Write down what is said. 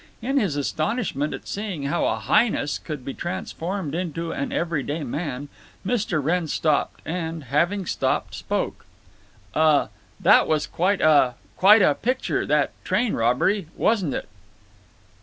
In his astonishment at seeing how a Highness could be transformed into an every day man, Mr. Wrenn stopped, and, having stopped, spoke: "Uh—that was quite a—quite a picture—that train robbery. Wasn't it."